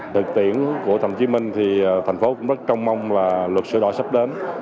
thực tiễn của thành phố hồ chí minh thì thành phố cũng rất trông mong là luật sửa đoạn sắp đến